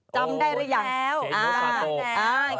จำได้หรือยัง